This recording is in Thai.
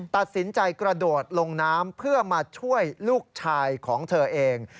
ตัดสินใจกระโดดลงน้ำเพื่อมาช่วยลูกชายของเธอเอง